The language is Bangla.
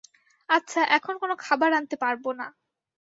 আচ্ছা, এখন কোনো খাবার আনতে পারবো না।